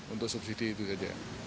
untuk subsidi itu saja